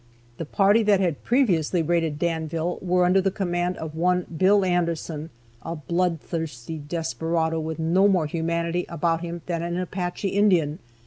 The party that had previously raided Danville were under the command of one Bill Anderson, a blood thirsty desperado, with no more humanity about him than an Apache Indian.